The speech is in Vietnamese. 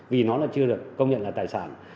vì nó là chưa được công nhận là tài sản